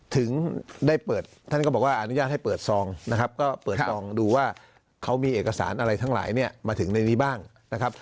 ถึงได้เปิดท่านก็บอกว่าอนุญาตให้เปิดซองนะครับก็เปิดซองดูว่าเขามีเอกสารอะไรทั้งหลายเนี่ยมาถึงในนี้บ้างนะครับ